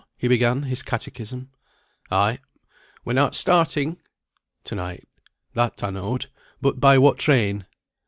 he began his catechism. "Ay." "When art starting?" "To night." "That I knowed. But by what train?"